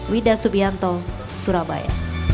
widah subianto surabaya